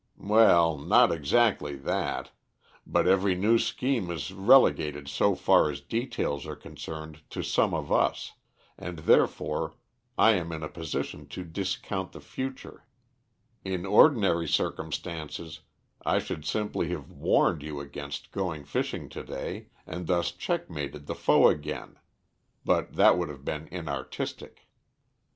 "Well, not exactly that. But every new scheme is relegated so far as details are concerned to some of us, and therefore I am in a position to discount the future. In ordinary circumstances I should simply have warned you against going fishing to day, and thus checkmated the foe again; but that would have been inartistic.